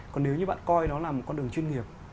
còn nếu như bạn coi nó là một con đường chuyên nghiệp